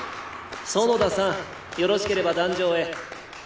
園田さんよろしければ壇上へ。